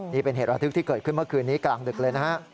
นี่เป็นเหตุระทึกที่เกิดขึ้นเมื่อคืนนี้กลางดึกเลยนะฮะ